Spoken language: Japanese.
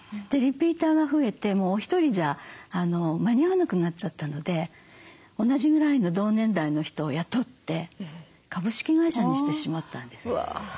リピーターが増えてもうお一人じゃ間に合わなくなっちゃったので同じぐらいの同年代の人を雇って株式会社にしてしまったんです。